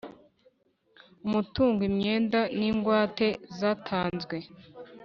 Umutungo imyenda n ingwate zatanzwe